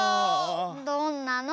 どんなの？